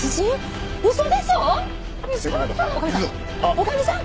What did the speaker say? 女将さん！？